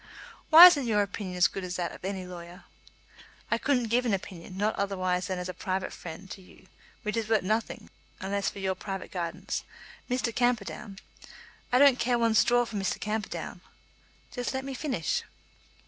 "Why isn't your opinion as good as that of any lawyer?" "I couldn't give an opinion; not otherwise than as a private friend to you, which is worth nothing, unless for your private guidance. Mr. Camperdown " "I don't care one straw for Mr. Camperdown." "Just let me finish."